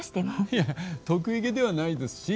いえ得意げではないですし